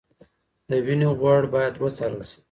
د وینې غوړ باید وڅارل شي.